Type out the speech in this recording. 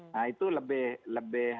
nah itu lebih lebih